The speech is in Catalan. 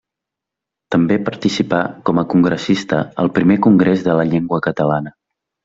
També participà com a Congressista al Primer Congrés de la Llengua Catalana.